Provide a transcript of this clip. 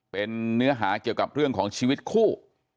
เป็นเนื้อหาเกี่ยวกับเรื่องของชีวิตคู่